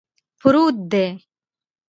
پروت دی